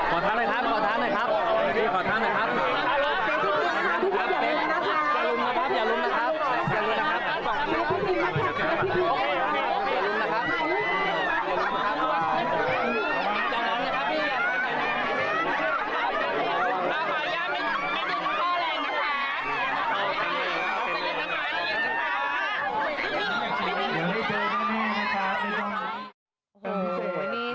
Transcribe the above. อาหารยากไม่ดุมพ่อแรงนะคะ